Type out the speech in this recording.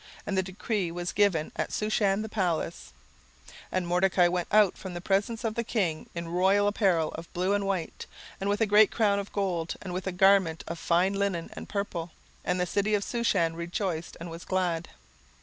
And the decree was given at Shushan the palace. 17:008:015 And Mordecai went out from the presence of the king in royal apparel of blue and white, and with a great crown of gold, and with a garment of fine linen and purple: and the city of Shushan rejoiced and was glad.